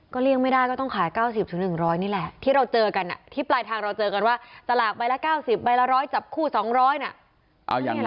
เลี่ยงไม่ได้ก็ต้องขาย๙๐๑๐๐นี่แหละที่เราเจอกันที่ปลายทางเราเจอกันว่าสลากใบละ๙๐ใบละ๑๐๐จับคู่๒๐๐น่ะ